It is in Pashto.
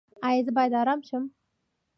ایا زه باید ارام شم؟